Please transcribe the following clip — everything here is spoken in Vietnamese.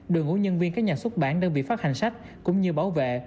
đường hữu nhân viên các nhà xuất bản đơn vị phát hành sách cũng như bảo vệ